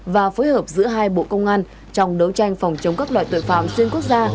và phối hợp giữa hai bộ công an trong đấu tranh phòng chống các loại tội phạm xuyên quốc gia